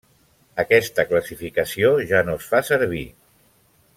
Aquesta classificació ja no es fa servir.